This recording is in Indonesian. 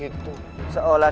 dia sudah berubah